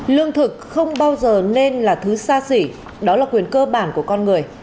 lương thực không bao giờ nên là thứ xa xỉ đó là quyền cơ bản của con người